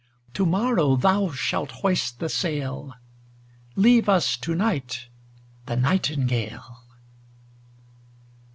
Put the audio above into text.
To morrow thou shalt hoist the sail; Leave us to night the nightingale.